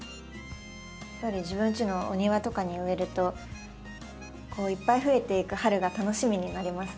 やっぱり自分ちのお庭とかに植えるといっぱい増えていく春が楽しみになりますね。